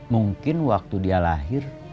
mungkin waktu dia lahir